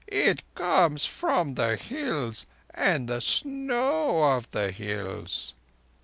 It comes from the Hills and the snow of the Hills."